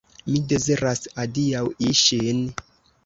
Mi deziras adiaŭi ŝin.